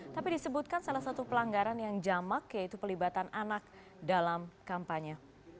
tapi disebutkan salah satu pelanggaran yang jamak yaitu pelibatan anak dalam kampanye